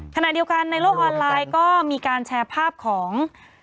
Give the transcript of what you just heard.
ขณะเดียวกันในโลกออนไลน์ก็มีการแชร์ภาพของ